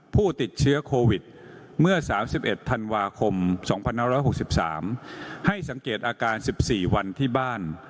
ผู้ติดเชื้อโควิดเมื่อ๓๑ธันวาคม๒๕๖๓ให้สังเกตอาการ๑๔วันที่บ้าน